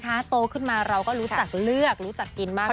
ถ้าโตขึ้นมาเราก็รู้จักเลือกรู้จักกินมาก